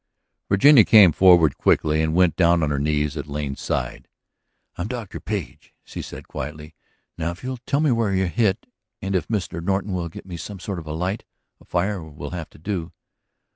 Virginia came forward quickly and went down on her knees at Lane's side. "I'm Dr. Page," she said quietly. "Now if you'll tell me where you're hit ... and if Mr. Norton will get me some sort of a light. A fire will have to do.